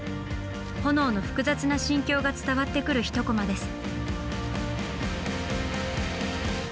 ホノオの複雑な心境が伝わってくる一コマです。